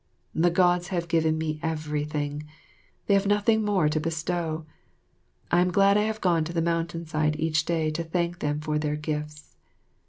The Gods have given me everything; they have nothing more to bestow. I am glad I have gone to the mountain side each day to thank them for their gifts.